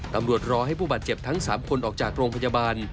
รอให้ผู้บาดเจ็บทั้ง๓คนออกจากโรงพยาบาล